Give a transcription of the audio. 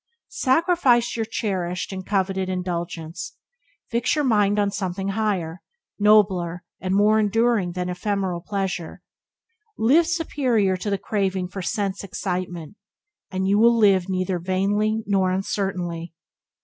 Sacrifice your cherished and coveted indulgence; fix your mind on something higher, nobler, and more enduring than ephemeral pleasure; live superior to the craving for sense excitement, and you will live neither vainly nor uncertainly.